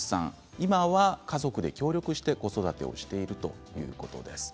今は家族で協力して子育てをしているということです。